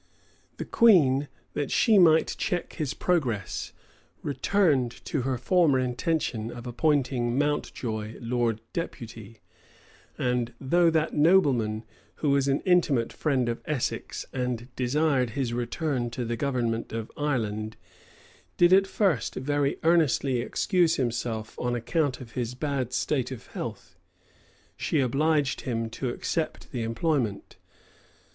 617 The queen, that she might check his progress, returned to her former intention of appointing Mountjoy lord deputy; and though that nobleman, who was an intimate friend of Essex, and desired his return to the government of Ireland, did at first very earnestly excuse himself on account of his bad state of health, she obliged him to accept of the employment.